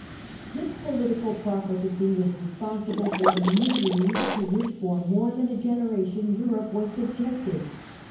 This political profligacy was responsible for the miseries to which for more than a generation Europe was subjected.